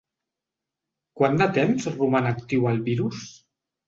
Quant de temps roman actiu el virus?